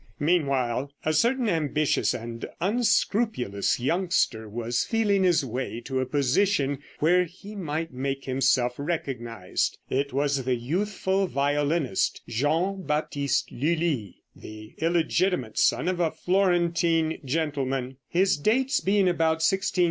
Meanwhile a certain ambitious and unscrupulous youngster was feeling his way to a position where he might make himself recognized. It was the youthful violinist, Jean Baptiste Lulli, the illegitimate son of a Florentine gentleman, his dates being about 1633 1687.